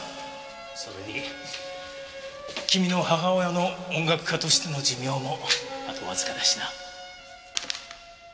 それに君の母親の音楽家としての寿命もあとわずかだしな。